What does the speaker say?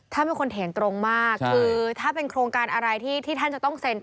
ท่านเป็นคนเห็นตรงมากคือถ้าเป็นโครงการอะไรที่ท่านจะต้องเซ็น